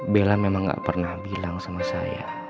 bella memang gak pernah bilang sama saya